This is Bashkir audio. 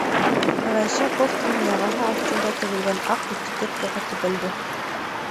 Ғәйшә кофтаның яғаһы аҫтына тегелгән аҡ этикеткаға төбәлде.